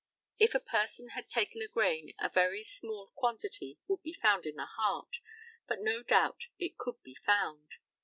If a person had taken a grain a very small quantity would be found in the heart, but no doubt it could be found.